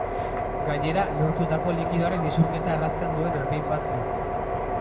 Gainera, neurtutako likidoaren isurketa errazten duen erpin bat du.